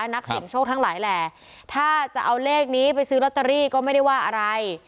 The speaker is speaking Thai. นักเสี่ยงโชคทั้งหลายแหล่ถ้าจะเอาเลขนี้ไปซื้อลอตเตอรี่ก็ไม่ได้ว่าอะไร